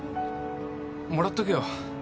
もらっとくよ